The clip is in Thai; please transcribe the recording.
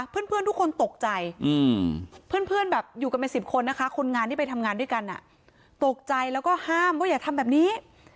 เพื่อนทุกคนตกใจเพื่อนแบบอยู่กันเป็น๑๐คนนะคะคนงานที่ไปทำงานด้วยกันตกใจแล้วก็ห้ามว่าอย่าทำแบบนี้